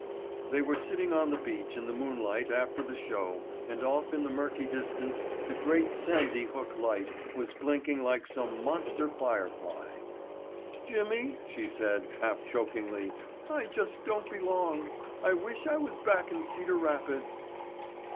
They were sitting on the beach in the moonlight after the show and off in the murky distance the great Sandy Hook light was blinking like some monster fire fly. "Jimmy," she said, half chokingly. "I just don't belong. I wish I was back in Cedar Rapids."